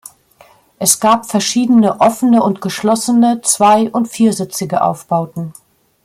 Es gab verschiedene offene und geschlossene zwei- und viersitzige Aufbauten.